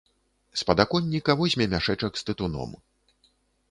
З падаконніка возьме мяшэчак з тытуном.